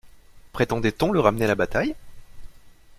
Prétendait-on le ramener à la bataille?